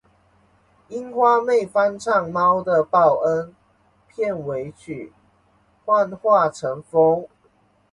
樱花妹翻唱《猫的报恩》片尾曲《幻化成风》